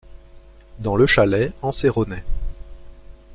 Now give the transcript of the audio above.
Dans le chalet en Séronais.